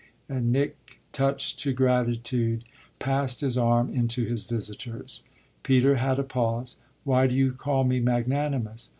And Nick, touched to gratitude, passed his arm into his visitor's. Peter had a pause. "Why do you call me magnanimous?"